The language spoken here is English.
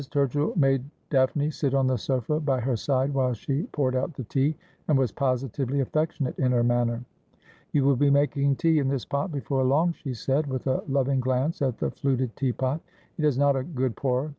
Turchill made Daphne sit on the sofa by her side while she poured out the tea, and was positively affectionate in her manner. ' You will be making tea in this pot before long,' she said, with a loving glance at the fluted teapot. ' It is not a good pourer.